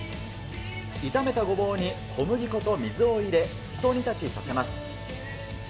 炒めたごぼうに小麦粉と水を入れ、一煮立ちさせます。